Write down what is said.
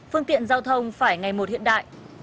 phương tiện giao thông phải ngày một hiện đại